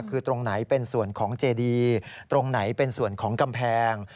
คือตรงไหนเป็นส่วนของเจดีตรงไหนเป็นส่วนของกำแพง